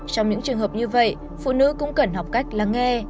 trong những trường hợp như vậy phụ nữ cũng cần học cách lắng nghe